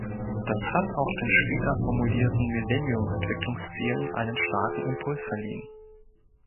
Das hat auch den später formulierten Millennium-Entwicklungszielen einen starken Impuls verliehen.